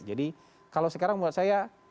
jadi kalau sekarang menurut saya